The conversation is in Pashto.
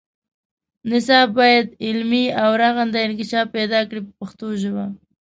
نصاب باید علمي او رغنده انکشاف پیدا کړي په پښتو ژبه.